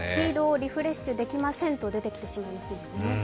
リフレッシュできませんと出てきてしまいますね。